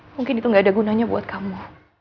mungkin itu gak ada gunanya buat kamu